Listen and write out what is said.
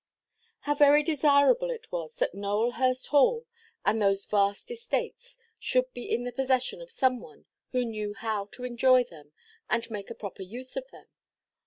How very desirable it was that Nowelhurst Hall, and those vast estates, should be in the possession of some one who knew how to enjoy them, and make a proper use of them!